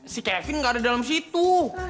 si kevin nggak ada dalam situ